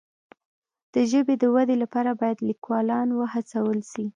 د ژبې د ودي لپاره باید لیکوالان وهڅول سي.